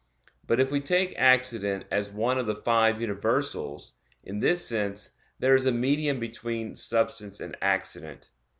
But if we take accident as one of the five universals, in this sense there is a medium between substance and accident.